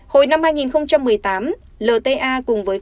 hồi năm hai nghìn một mươi tám lta cùng với